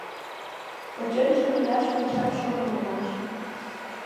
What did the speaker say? Почешыже мияш огешат шоно улмаш.